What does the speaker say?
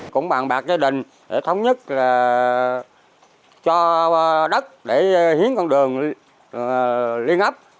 cũng bàn bạc gia đình để thống nhất là cho đất để hiến con đường liên ấp